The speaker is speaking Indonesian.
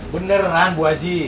beneran bu haji